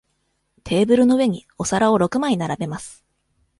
テーブルの上にお皿を六枚並べます。